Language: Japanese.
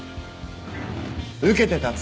受けて立つ。